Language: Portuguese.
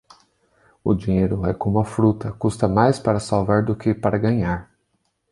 O dinheiro é como a fruta, custa mais para salvar do que para ganhar.